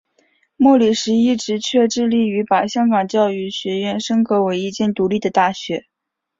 莫礼时一直却致力于把香港教育学院升格为一间独立的大学。